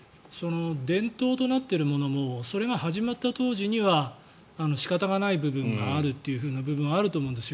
伝統となっているものもそれが始まった当時には仕方がない部分があるという部分はあると思うんです。